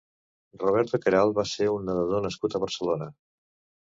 Roberto Queralt va ser un nedador nascut a Barcelona.